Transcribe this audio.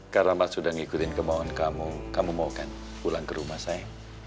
karena mas sudah ngikutin kemohon kamu kamu mau kan pulang ke rumah saya